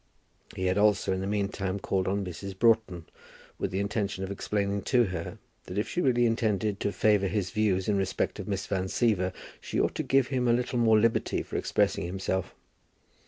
He had also in the meantime called on Mrs. Broughton, with the intention of explaining to her that if she really intended to favour his views in respect to Miss Van Siever, she ought to give him a little more liberty for expressing himself.